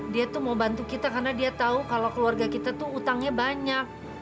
dia tuh mau bantu kita karena dia tahu kalau keluarga kita tuh utangnya banyak